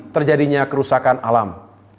terjadinya kerusakan alam